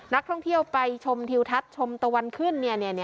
นักท่องเที่ยวไปชมทิวทัศน์ชมตะวันขึ้น